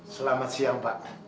selamat siang pak